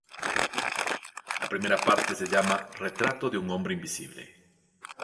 La primera parte se llama "Retrato de un hombre invisible".